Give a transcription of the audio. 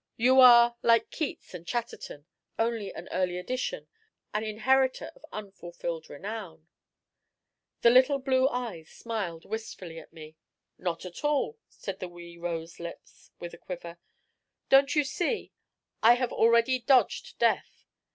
"You are, like Keats and Chatterton, only an earlier edition, an inheritor of unfulfilled renown." The little blue eyes smiled wistfully at me. "Not at all," said the wee rose lips, with a quiver. "Don't you see, I have already dodged Death?